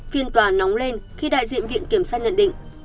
phiên tòa nóng lên khi đại diện viện kiểm sát nhận định